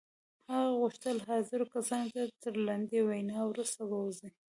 هغه غوښتل حاضرو کسانو ته تر لنډې وينا وروسته ووځي.